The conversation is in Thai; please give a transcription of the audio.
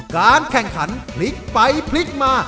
การแข่งขันพลิกไปพลิกมา